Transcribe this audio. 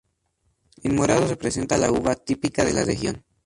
El morado representa la uva, típica de la región.